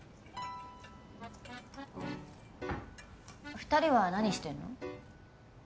２人は何してんの？